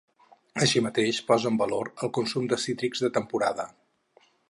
Així mateix, posa en valor el consum de cítrics de temporada.